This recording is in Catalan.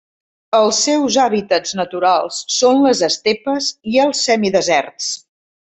Els seus hàbitats naturals són les estepes i els semideserts.